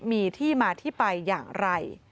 มีที่มาที่ไปอย่างไร